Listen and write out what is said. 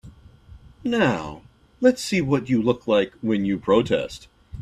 Now let's see what you look like when you protest.